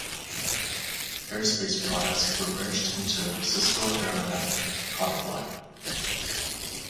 Airespace products were merged into Cisco Aironet product line.